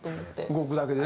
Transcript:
動くだけでね。